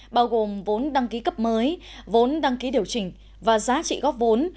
bao gồm vốn đăng ký cấp mới vốn đăng ký điều chỉnh và giá trị góp vốn